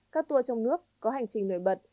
các tour trong nước có hành trình nổi bật